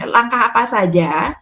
langkah apa saja